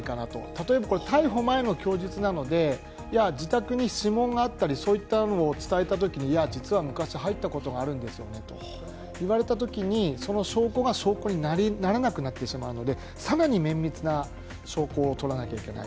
例えば、逮捕前の供述なので自宅に指紋があったということを伝えたときにいや、実は昔入ったことがあるんですよねと言われたときに、その証拠が証拠にならなくなってしまうので更に綿密な証拠をとらなければいけない。